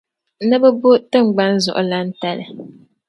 Ni bɛ bo tingbaŋ Zuɣulan' tali.